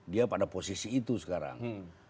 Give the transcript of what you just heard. dia pada posisi itu sekarang